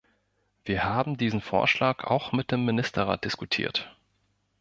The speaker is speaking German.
Wir haben diesen Vorschlag auch mit dem Ministerrat diskutiert.